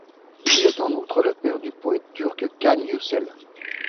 Il est en outre le père du poète turc Can Yücel.